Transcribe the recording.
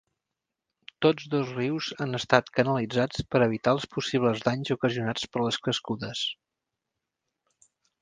Tots dos rius han estat canalitzats per evitar els possibles danys ocasionats per les crescudes.